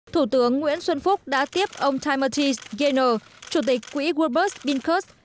thủ tướng nguyễn xuân phúc đã tiếp ông timothy gaynor chủ tịch quỹ worldbus binkers